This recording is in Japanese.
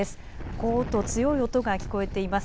ゴーと強い音が聞こえています。